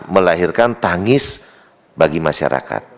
melahirkan tangis bagi masyarakat